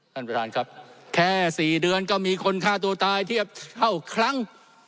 ท่านประธานครับแค่๔เดือนก็มีคนฆ่าตัวตายเทียบเท่าครั้ง